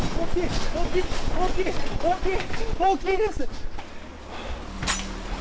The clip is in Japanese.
大きい、大きい、大きいです。